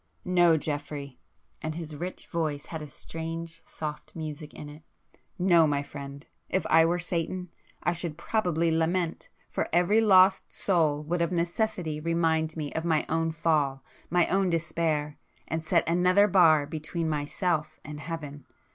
"No, Geoffrey"—and his rich voice had a strange soft music in it—"No, my friend! If I were Satan I should probably lament!—for every lost soul would of necessity remind me of my own fall, my own despair,—and set another [p 116] bar between myself and heaven!